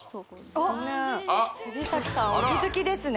お気づきですね